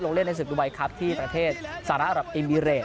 ลงเล่นในศึกดุบัยครับที่ประเทศสหรัฐอับอิมีเรต